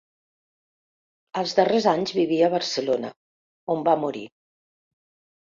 Als darrers anys vivia a Barcelona, on va morir.